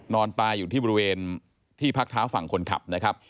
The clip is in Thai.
นอนตายอยู่ที่บริเวณที่พักเท้าฝั่งคนขับนะครับ